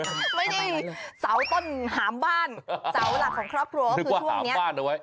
ไม่ดีเสาต้นหามบ้านเสาหลักของครอบครัวเพราะคือช่วงนี้